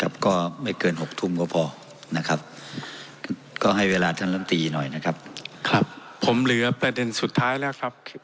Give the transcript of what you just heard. ผมเหลือประเด็นสุดท้ายเลยครับ